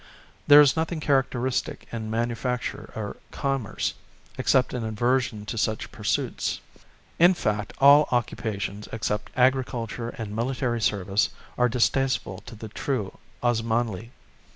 There is nothing characteristic in manufacture or commerce, except an aversion to such pursuits. In fact, all occupations, except agriculture and military service are distasteful to the true Osmanli.